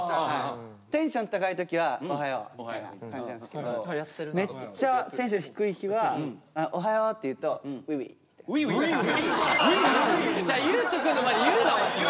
テンション高い時は「おはよう」って感じなんですけどめっちゃテンション低い日は「おはよう」って言うと「うぃうぃっ！」。「うぃうぃっ！」？違う裕翔くんの前で言うなお前それ。